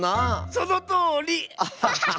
そのとおり！